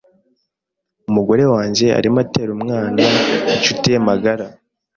Umugore wanjye arimo atera umwana inshuti ye magara.